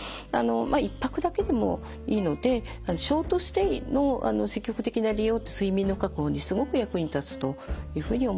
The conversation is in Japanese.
一泊だけでもいいのでショートステイの積極的な利用って睡眠の確保にすごく役に立つというふうに思っています。